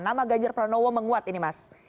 nama ganjar pranowo menguat ini mas